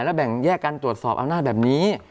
และแบ่งแยกการตรวจสอบอำนาจแบบนี้